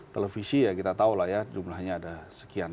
televisi ya kita tahu lah ya jumlahnya ada sekian